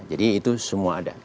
jadi itu semua ada